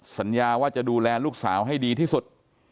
สัญญาว่าจะดูแลลูกสาวให้ดีที่สุด